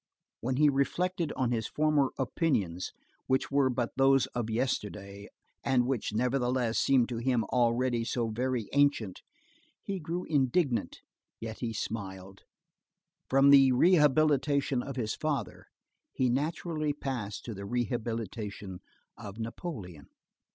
When he reflected on his former opinions, which were but those of yesterday, and which, nevertheless, seemed to him already so very ancient, he grew indignant, yet he smiled. From the rehabilitation of his father, he naturally passed to the rehabilitation of Napoleon.